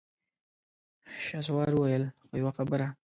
شهسوار وويل: خو يوه خبره!